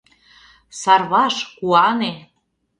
Сарваш, куане!